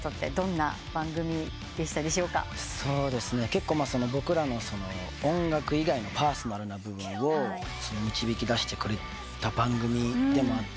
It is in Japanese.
結構僕らの音楽以外のパーソナルな部分を導きだしてくれた番組でもあったので。